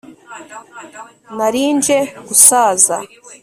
nari nje gusaza